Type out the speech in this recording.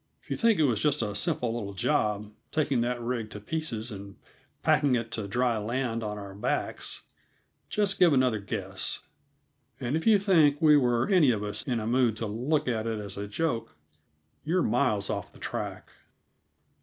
If you think it was just a simple little job, taking that rig to pieces and packing it to dry land on our backs, just give another guess. And if you think we were any of us in a mood to look at it as a joke, you're miles off the track.